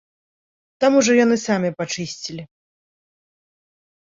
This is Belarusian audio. Там ужо яны самі пачысцілі.